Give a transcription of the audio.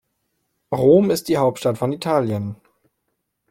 Rom ist die Hauptstadt von Italien.